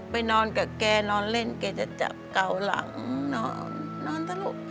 ไปนอนกับแกนอนเล่นแกจะจับเกาหลังนอนนอนตลก